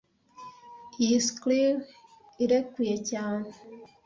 Iyi screw irekuye cyane